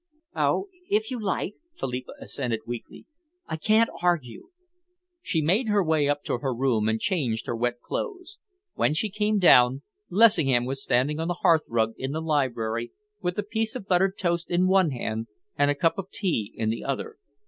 "Oh, if you like," Philippa assented weakly. "I can't argue." She made her way up to her room and changed her wet clothes. When she came down, Lessingham was standing on the hearth rug in the library, with a piece of buttered toast in one hand and a cup of tea in the other.